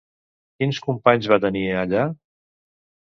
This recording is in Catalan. Quins companys va tenir, allà?